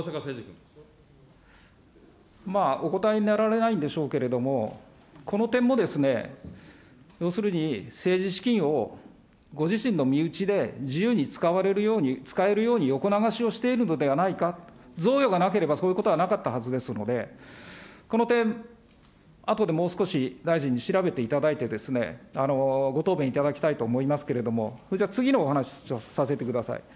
お答えになられないんでしょうけど、この点も要するに政治資金をご自身の身内で自由に使われるように、使えるように横流しをしているのではないか、贈与がなければそういうことはなかったはずですので、この点、あとでもう少し大臣に調べていただいて、ご答弁いただきたいと思いますけれども、次のお話をさせてください。